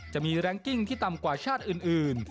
จะมีแรงกิ้งที่ต่ำกว่าชาติอื่น